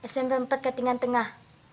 smp empat katingan tengah